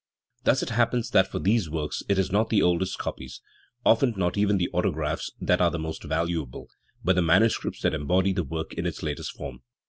Thus it happens that for these works it is not the oldest copies, often not even the autographs, that are the most valuable, but the manuscripts that embody the work in its latest form.